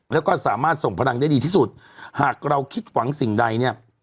แล้วก็สามารถส่งพลังได้ดีที่สุดหากเราคิดหวังสิ่งใดเนี่ย